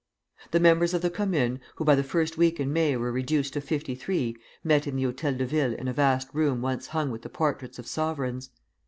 The members of the Commune, who by the first week in May were reduced to fifty three, met in the Hôtel de Ville in a vast room once hung with the portraits of sovereigns.